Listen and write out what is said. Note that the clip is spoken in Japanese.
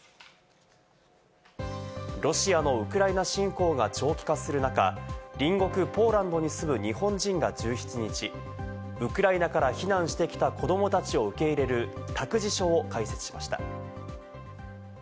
ロシアのウクライナ侵攻が長期化する中、隣国ポーランドに住む日本人が１７日、ウクライナから避難してきた子どもたちを受け入れる託児所を開設しました。